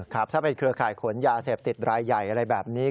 ครับถ้าเป็นเครือข่ายขนยาเสพติดรายใหญ่อะไรแบบนี้